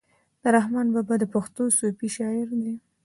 رحمان بابا د پښتو صوفي شاعر دی.